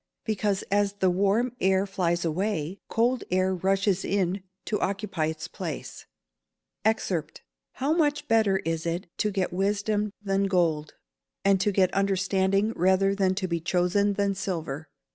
_ Because, as the warm air flies away, cold air rushes in to occupy its place. [Verse: "How much better is it to get wisdom than gold? and to get understanding rather to be chosen than silver."